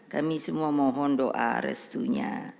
kami semua mohon doa restunya